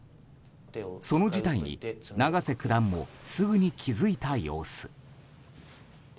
その事態に、永瀬九段もすぐに気づいた様子。